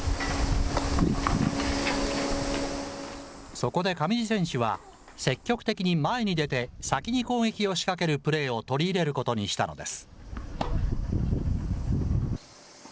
そこで上地選手は、積極的に前に出て先に攻撃を仕掛けるプレーを取り入れることにしたのです。